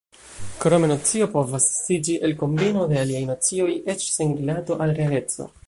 Krome nocio povas estiĝi el kombino de aliaj nocioj eĉ sen rilato al realeco.